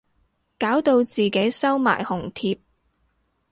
搞到自己收埋紅帖